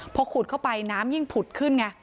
พอขุดเข้าไปน้ำยิ่งผุดขึ้นไง